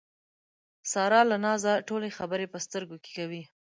ساره له نازه ټولې خبرې په سترګو کې کوي.